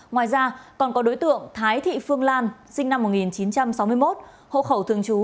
ngoài ra còn có đối tượng thái thị phương lan sinh năm một nghìn chín trăm sáu mươi một hộ khẩu thường trú